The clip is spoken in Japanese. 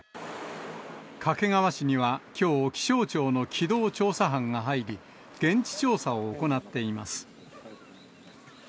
掛川市にはきょう、気象庁の機動調査班が入り、現地調査を行っています。